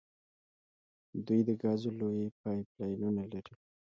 دوی د ګازو لویې پایپ لاینونه لري.